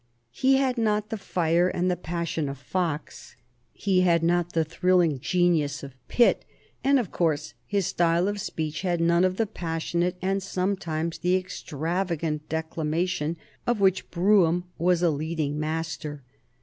He had not the fire and the passion of Fox; he had not the thrilling genius of Pitt; and, of course, his style of speech had none of the passionate and sometimes the extravagant declamation of which Brougham was a leading master.